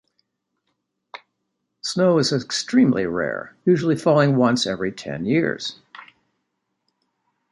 Snow is extremely rare, usually falling once every ten years.